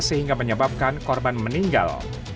sehingga menyebabkan korban meninggal